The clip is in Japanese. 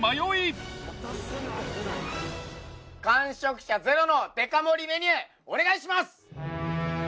完食者ゼロのデカ盛りメニューお願いします！